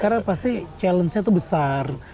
karena pasti tantangannya itu besar